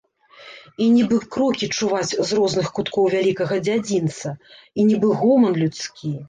І нібы крокі чуваць з розных куткоў вялікага дзядзінца, і нібы гоман людскі.